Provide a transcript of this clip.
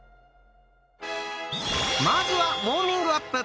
まずはウオーミングアップ！